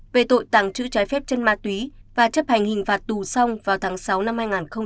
về tội tàng trữ trái phép chân ma túy và chấp hành hình phạt tù xong vào tháng sáu năm hai nghìn hai mươi ba